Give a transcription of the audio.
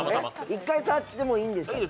一回触ってもいいんですか？